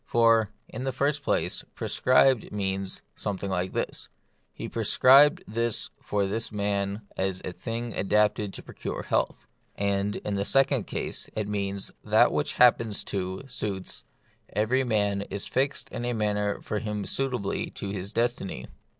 For, The Mystery of Pain. 71 in the first place, 'prescribed' means some thing like this : he prescribed this for this man as a thing adapted to procure health ; and, in the second case, it means, that which happens to (suits) every man is fixed in a manner for him suitably to his destiny.